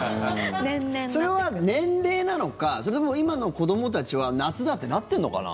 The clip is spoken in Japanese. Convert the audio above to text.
それは年齢なのかそれとも今の子どもたちは夏だ！ってなってるのかな？